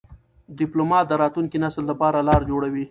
ډيپلومات د راتلونکي نسل لپاره لار جوړوي.